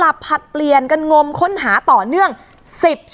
แล้วก็ไปซ่อนไว้ในคานหลังคาของโรงรถอีกทีนึง